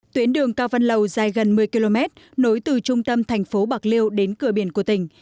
tuyến đường cao văn lầu dài gần một mươi km nối từ trung tâm thành phố bạc liêu đến cửa biển của tỉnh